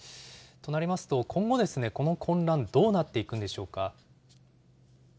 となりますと、今後ですね、この混乱、どうなっていくんでしょうか。